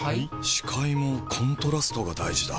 視界もコントラストが大事だ。